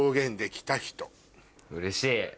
うれしい！